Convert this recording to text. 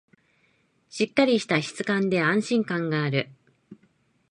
しっかりした質感で安心感がある